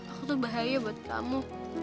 aku tuh bahaya buat kamu